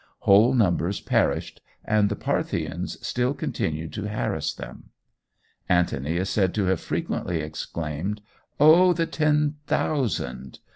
Whole numbers perished, and the Parthians still continued to harass them. Antony is said to have frequently exclaimed: 'Oh! the ten thousand!'